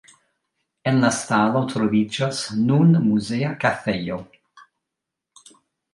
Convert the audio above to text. En la stalo troviĝas nun muzea kafejo.